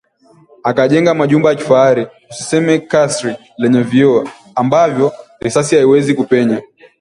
Akajenga majumba ya kifahari, usiseme kasri lenye vioo ambavyo risasi haiwezi kupenya